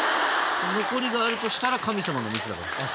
残りがあるとしたら神様のミスだから。